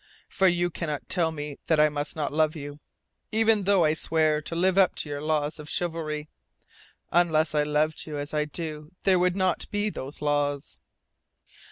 For you cannot tell me that I must not love you, even though I swear to live up to your laws of chivalry. Unless I loved you as I do there would not be those laws."